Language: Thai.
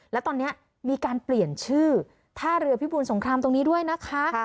แล้วตอนนี้มีการเปลี่ยนชื่อท่าเรือพิบูรสงครามตรงนี้ด้วยนะคะ